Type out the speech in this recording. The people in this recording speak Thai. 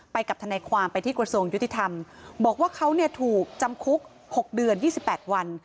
กับทนายความไปที่กระทรวงยุติธรรมบอกว่าเขาเนี่ยถูกจำคุก๖เดือน๒๘วัน